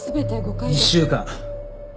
１週間。